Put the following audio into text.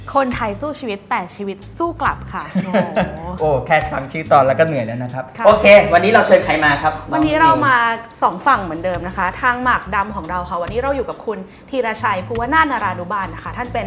คนไทยสู้ชีวิต๘ชีวิตสู้กลับค่ะ